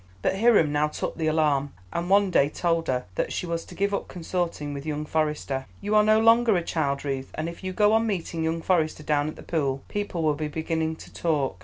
But Hiram now took the alarm, and one day told her that she was to give up consorting with young Forester. "You are no longer a child, Ruth, and if you go on meeting young Forester down at the pool, people will be beginning to talk.